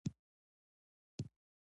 ازادي راډیو د اټومي انرژي پرمختګ سنجولی.